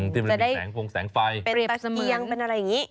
จะได้เปรียบเตียงเป็นอะไรอย่างนี้